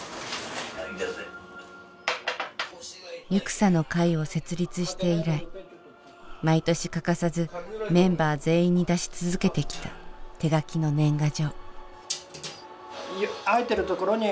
ゆくさの会を設立して以来毎年欠かさずメンバー全員に出し続けてきた手書きの年賀状。